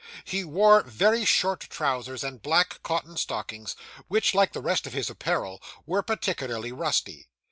He wore very short trousers, and black cotton stockings, which, like the rest of his apparel, were particularly rusty.